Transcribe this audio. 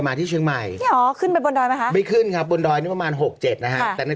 ไม่ขับรถขึ้นไปก็คือถึงเกือบข้างบนเลย